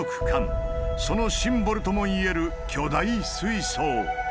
そのシンボルともいえる巨大水槽。